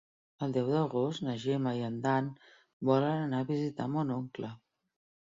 El deu d'agost na Gemma i en Dan volen anar a visitar mon oncle.